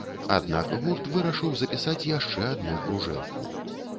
Аднак гурт вырашыў запісаць яшчэ адну кружэлку.